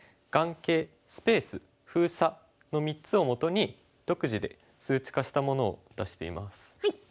眼形スペース封鎖の３つをもとに独自で数値化したものを出しています。